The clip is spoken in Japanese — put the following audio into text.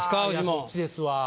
そっちですわ。